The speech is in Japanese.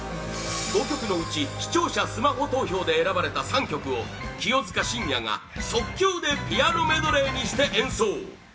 ５曲のうち視聴者スマホ投票で選ばれた３曲を、清塚信也が即興でピアノメドレーにして演奏！